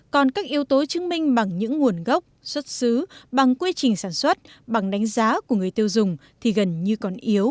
còn các yếu tố chứng minh bằng những nguồn gốc xuất xứ bằng quy trình sản xuất bằng đánh giá của người tiêu dùng thì gần như còn yếu